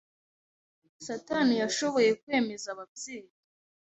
Satani yashoboye kwemeza ababyeyi